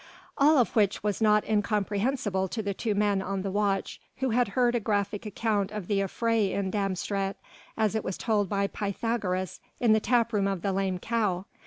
All of which was not incomprehensible to the two men on the watch who had heard a graphic account of the affray in Dam Straat as it was told by Pythagoras in the tap room of the "Lame Cow."